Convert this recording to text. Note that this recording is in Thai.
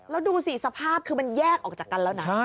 แล้วดูสิสภาพคือมันแยกออกจากกันแล้วนะ